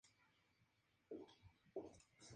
El desenlace de la novela se planta desde el inicio.